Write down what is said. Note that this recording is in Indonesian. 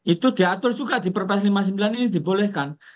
itu diatur juga di perpres lima puluh sembilan ini dibolehkan